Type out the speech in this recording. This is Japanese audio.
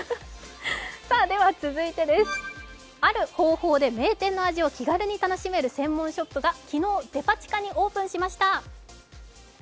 では続いてです、ある方法で名店の味を楽しめる専門ショップが昨日、デパ地下にオープンしました。